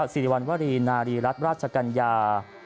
สิริวัณวรีนารีรัฐราชกัญญา